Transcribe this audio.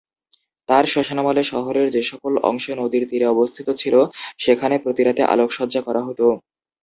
তার শাসনামলে শহরের যেসকল অংশ নদীর তীরে অবস্থিত ছিল, সেখানে প্রতি রাতে আলোক সজ্জা করা হতো।